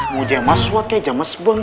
muja yang mas wak kayak james bang